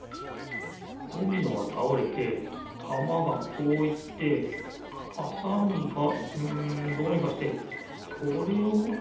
ドミノがたおれてたまがこういってはさみがうんどうにかしてこれをおすのかな？